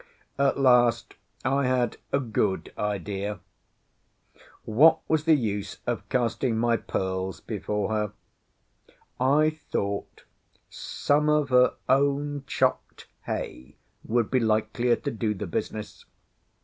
At last I had a good idea. What was the use of casting my pearls before her? I thought; some of her own chopped hay would be likelier to do the business.